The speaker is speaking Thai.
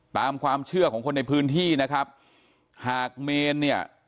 ตามความเชื่อของคนในพื้นที่นะครับหากเมนเนี่ย